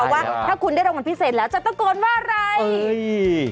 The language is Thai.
ว่าถ้าคุณได้รางวัลพิเศษแล้วจะตะโกนว่าอะไร